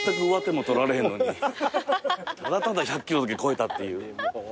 ただただ１００ｋｇだけ超えたっていう。